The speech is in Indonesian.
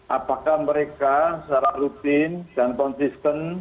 apakah mereka secara rutin dan konsisten